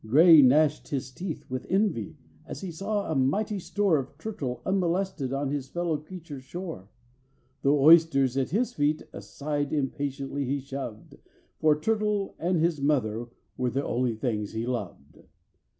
GRAY gnashed his teeth with envy as he saw a mighty store Of turtle unmolested on his fellow creature's shore. The oysters at his feet aside impatiently he shoved, For turtle and his mother were the only things he loved.